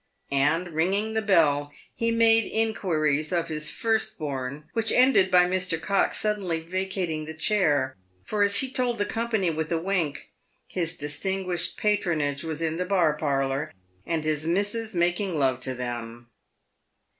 And, ringing the bell, he made inquiries of his first born, which ended by Mr. Cox suddenly vacating the chair ; for, as he told the company, with a wink, " his distinguished patronage was in the bar parlour, and his missus making love to them."